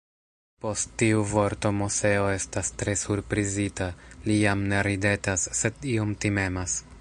Post tiu vorto Moseo estas tre surprizita, li jam ne ridetas, sed iom timetas.